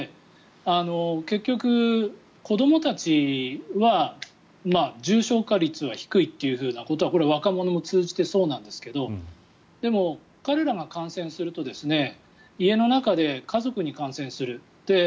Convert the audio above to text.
結局、子どもたちは重症化率は低いということはこれは若者を通じてそうなんですけどでも、彼らが感染すると家の中で家族に感染する。